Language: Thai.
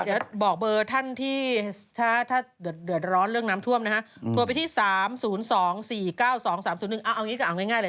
อาจะบอกเบอร์ท่านที่เดินรอนเรื่องน้ำท่วมนะฮะ